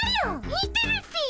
見てるっピ。